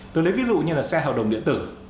tôi lấy ví dụ như là xe hợp đồng điện tử